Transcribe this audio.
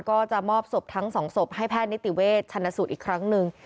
ก็จะมอบศพทั้งสองศพให้แพทย์นิติเวชชันสูตรอีกครั้งหนึ่ง